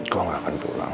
kau gak akan pulang